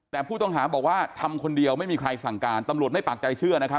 แต่ผู้ต้องหาบอกว่าทำคนเดียวไม่มีใครสั่งการตำรวจไม่ปากใจเชื่อนะครับ